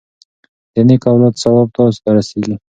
د نیک اولاد ثواب تاسو ته رسیږي.